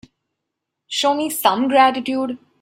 Show me some gratitude.